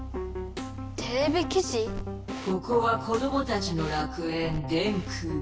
ここは子どもたちの楽園電空。